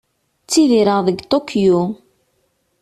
Ttidireɣ deg Tokyo.